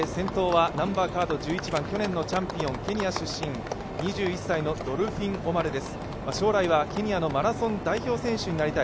改めて先頭は１１番、去年のチャンピオンケニア出身、２１歳のドルフィン・オマレです。